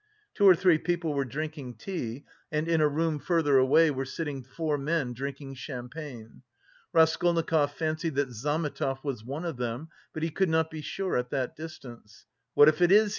Two or three people were drinking tea, and in a room further away were sitting four men drinking champagne. Raskolnikov fancied that Zametov was one of them, but he could not be sure at that distance. "What if it is?"